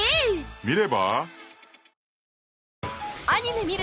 見れば？